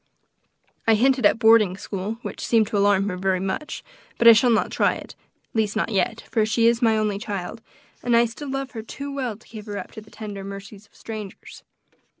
I hinted at a boarding school, which seemed to alarm her very much; but I shall not try it, at least not yet, for she is my only child, and I still love her too well to give her up to the tender mercies of strangers.